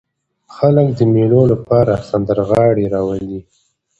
خلک د مېلو له پاره سندرغاړي راولي.